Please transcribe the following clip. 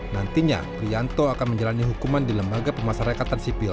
nantinya prianto akan menjalani hukuman di lembaga pemasarakatan sipil